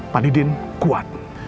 pak didin kuat